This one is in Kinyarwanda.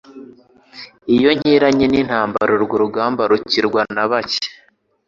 iyo nkiranye n'intambara urwo rugamba rukirwa na bake